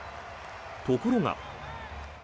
ところが。